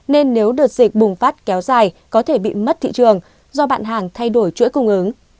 nên nếu đợt dịch bùng phát kéo dài có thể bị mất thị trường do bạn hàng thay đổi chuỗi cung ứng